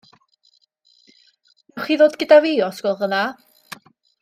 Wnewch chi ddod gyda fi os gwelwch yn dda.